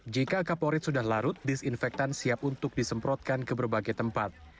jika kaporit sudah larut disinfektan siap untuk disemprotkan ke berbagai tempat